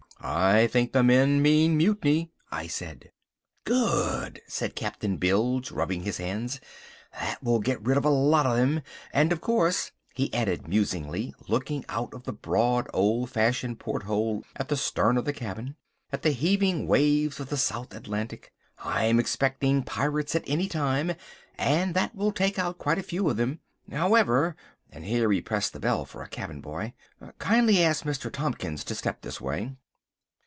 "I think the men mean mutiny," I said. "Good," said Captain Bilge, rubbing his hands, "that will get rid of a lot of them, and of course," he added musingly, looking out of the broad old fashioned port hole at the stern of the cabin, at the heaving waves of the South Atlantic, "I am expecting pirates at any time, and that will take out quite a few of them. However"—and here he pressed the bell for a cabin boy—"kindly ask Mr. Tompkins to step this way."